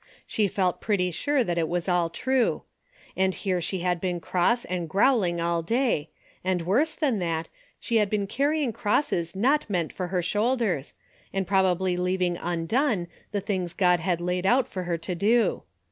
She felt pretty sure that it was all true. And here she had been cross and growling all day, and worse than that, she had been carrying crosses not meant for her shoulders, and probably leaving undone the things God had laid out for her to do.